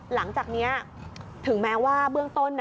หลังจากนี้ถึงแม้ว่าเบื้องต้น